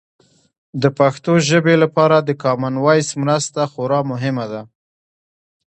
د پښتو ژبې لپاره د کامن وایس مرسته خورا مهمه ده.